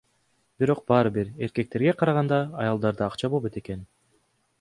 Бирок баары бир эркектерге караганда аялдарда акча болбойт экен.